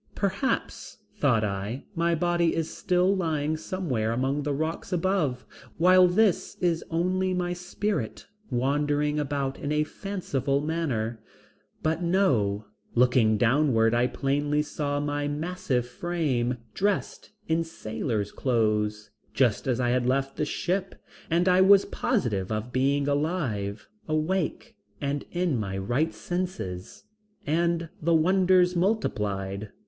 Perhaps, thought I, my body is still lying somewhere among the rocks above while this is only my spirit wandering about in a fanciful manner. But no, looking downward I plainly saw my massive frame dressed in sailor's clothes just as I had left the ship and I was positive of being alive, awake, and in my right senses. And the wonders multiplied.